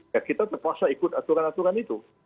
ya kita terpaksa ikut aturan aturan itu